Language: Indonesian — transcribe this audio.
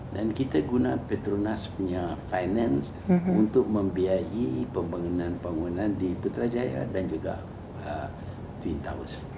dan kita menggunakan keuangan dari petronas untuk membiayai pembangunan di putrajaya dan juga twin tower